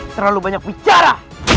terlalu banyak bicara